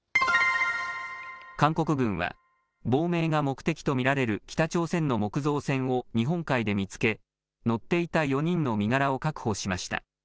韓国軍は、亡命が目的と見られる北朝鮮の木造船を日本海で見つけ、乗っていた４人の身柄を確保しました。